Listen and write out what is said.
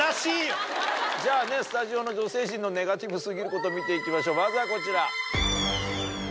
じゃあねスタジオの女性陣のネガティブ過ぎること見ていきましょうまずはこちら。